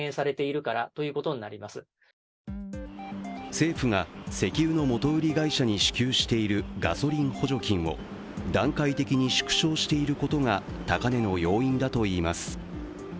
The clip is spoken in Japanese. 政府が石油の元売り会社に支給しているガソリン補助金を、段階的に縮小していることが高値の要因だといいます。